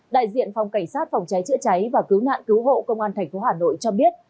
đại diện phòng cảnh sát phòng cháy chữa cháy và cứu nạn cứu hộ công an tp hà nội cho biết